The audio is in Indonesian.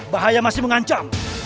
bahaya masih mengancam